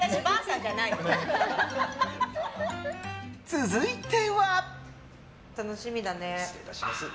続いては。